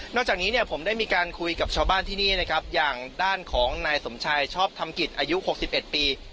จากนี้เนี่ยผมได้มีการคุยกับชาวบ้านที่นี่นะครับอย่างด้านของนายสมชายชอบทำกิจอายุ๖๑ปี